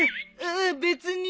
ああっ別に。